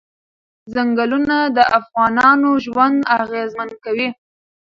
ځنګلونه د افغانانو ژوند اغېزمن کوي.